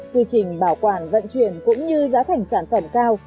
quy trình bảo quản vận chuyển cũng như giá thành sản phẩm cao